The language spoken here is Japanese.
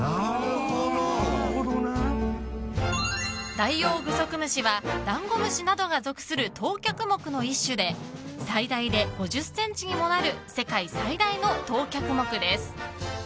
ダイオウグソクムシはダンゴムシなどが属する等脚目の一種で最大で５０ｃｍにもなる世界最大の等脚目です。